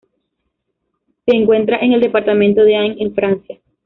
Se encuentra en el departamento de Ain, en Francia.